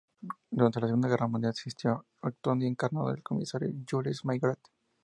Durante la Segunda Guerra Mundial siguió actuando, y encarnó al Comisario Jules Maigret.